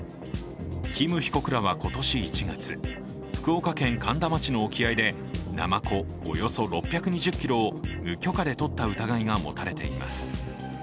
キム被告らは今年１月、福岡県苅田町の沖合でなまこおよそ６２０ｋｇを無許可でとった疑いが持たれています。